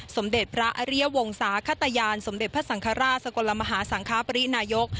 สมเด็จพระเรียโวงศาขตยานสมเด็จพระสังครราชสังควรมหาสังค้าปริหนายก